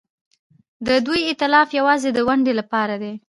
د دوی ائتلاف یوازې د ونډې لپاره دی.